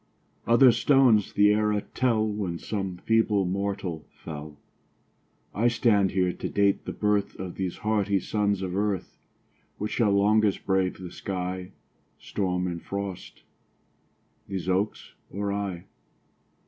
Other stones the era tell When some feeble mortal fell; I stand here to date the birth Of these hardy sons of earth. Which shall longest brave the sky, Storm and frost these oaks or I?